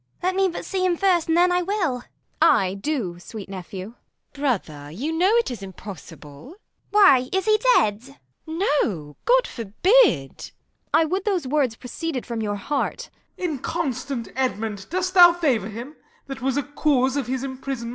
_ Let me but see him first, and then I will. Kent. Ay, do, sweet nephew. Q. Isab. Brother, you know it is impossible. P. Edw. Why, is he dead? Q. Isab. No, God forbid! Kent. I would those words proceeded from your heart! Y. Mor. Inconstant Edmund, dost thou favour him, That wast a cause of his imprisonment?